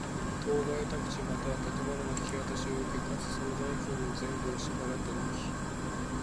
当該宅地又は建物の引渡しを受け、かつ、その代金の全部を支払つたとき。